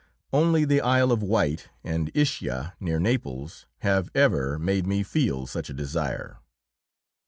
Only the Isle of Wight, and Ischia, near Naples, have ever made me feel such a desire.